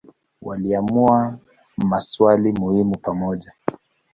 Waliamua maswali muhimu pamoja.